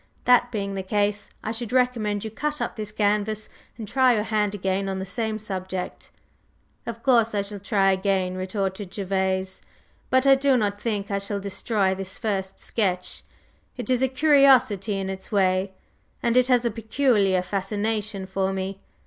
That being the case, I should recommend you to cut up this canvas and try your hand again on the same subject." "Of course, I shall try again," retorted Gervase. "But I do not think I shall destroy this first sketch. It is a curiosity in its way; and it has a peculiar fascination for me.